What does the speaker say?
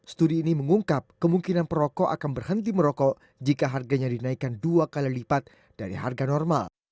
studi ini mengungkap kemungkinan perokok akan berhenti merokok jika harganya dinaikkan dua kali lipat dari harga normal